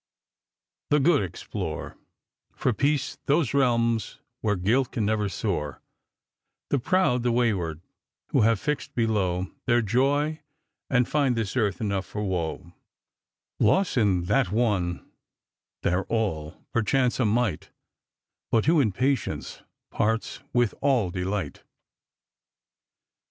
" The good explore, For peace, those realms where guilt can never soar; The proud, the wayward, who have fix'd below Their joy, and find this earth enough for woe, Lose in that one their all — perchance a mite— But who in patience parts with all delight